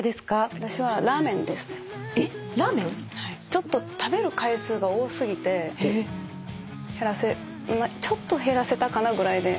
ちょっと食べる回数が多すぎてちょっと減らせたかなぐらいで。